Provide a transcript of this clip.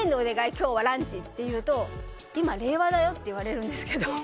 今日は、ランチって言うと今、令和だよって言われるんですけど。